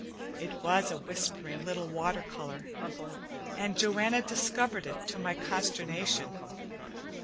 It was a whispering little watercolor, and Joanna discovered it to my consternation.